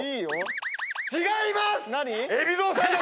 違います！